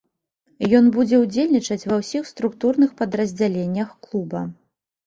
Ён будзе ўдзельнічаць ва ўсіх структурных падраздзяленнях клуба.